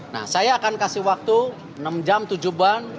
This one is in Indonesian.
nah saya akan kasih waktu enam jam tujuh jam